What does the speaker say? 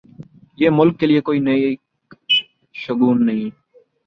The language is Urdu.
یہ ملک کے لئے کوئی نیک شگون نہیں۔